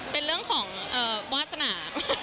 เป็นเรื่องของวาสนา